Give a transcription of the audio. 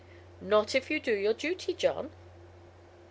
"Not if you do your duty, John."